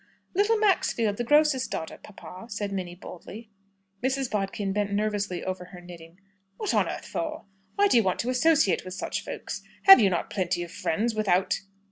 "Little Maxfield, the grocer's daughter, papa," said Minnie, boldly. Mrs. Bodkin bent nervously over her knitting. "What on earth for? Why do you want to associate with such folks? Have you not plenty of friends without